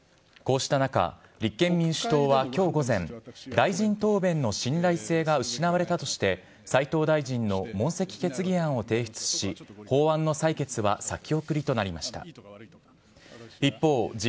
こうした中、立憲民主党はきょう午前、大臣答弁の信頼性が失われたとして、斎藤大臣の問責決議案を提出し、法案の採決は先送りとなりました。